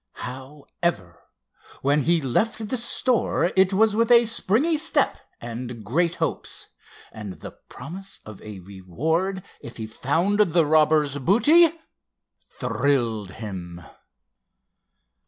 However, when he left the store it was with a springy step and great hopes—and the promise of a reward if he found the robber's booty thrilled him.